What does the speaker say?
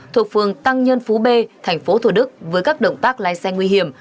thuộc phường tăng nhân phú b tp thủ đức với các động tác lái xe nguy hiểm